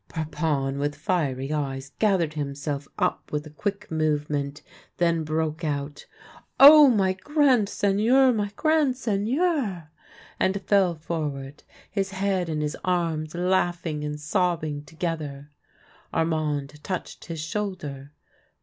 Parpon, with fiery eyes, gathered himself up with a quick movement, then broke out, " Oh, my grand 224 THE LANE THAT HAD NO TURNING Seigneur ! my grand Seigneur !" and fell forward, his head in his arms, laughing and sobbing together. Armand touched his shoulder.